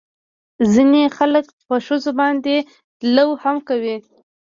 ځينې خلق خو په ښځو باندې لو هم کوي.